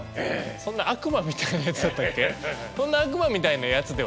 そんな悪魔みたいなやつではないよ